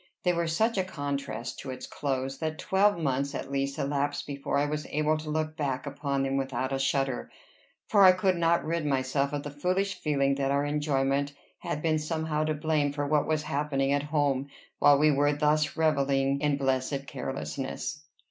They were such a contrast to its close, that twelve months at least elapsed before I was able to look back upon them without a shudder; for I could not rid myself of the foolish feeling that our enjoyment had been somehow to blame for what was happening at home while we were thus revelling in blessed carelessness.